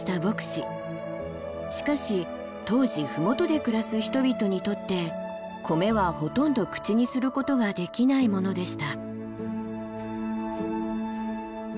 しかし当時麓で暮らす人々にとって米はほとんど口にすることができないものでした。